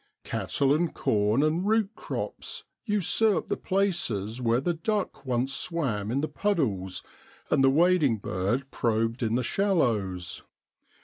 Cattle and corn and root crops usurp the places where the duck once swam in the puddles and the wading bird probed in the shallows.